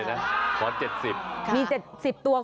เอฟแม่วสามารถใส่ได้เอฟจะใส่เป็นโอโฟไซด์ค่ะแม่